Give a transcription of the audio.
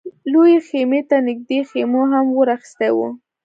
لويې خيمې ته نږدې خيمو هم اور اخيستی و.